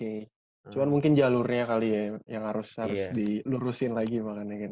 oke cuman mungkin jalurnya kali ya yang harus dilurusin lagi makanya kan